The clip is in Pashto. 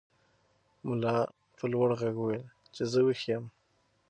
ملا په لوړ غږ وویل چې زه ویښ یم.